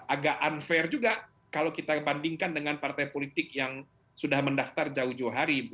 agak unfair juga kalau kita bandingkan dengan partai politik yang sudah mendaftar jauh jauh hari